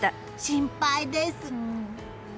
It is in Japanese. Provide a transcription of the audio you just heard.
心配です。